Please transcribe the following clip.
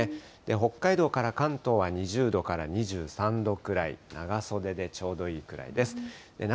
北海道から関東は２０度から２３度ぐらい、長袖でちょうどいいくらいです。